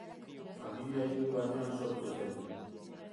Familia judu batean sortu zen.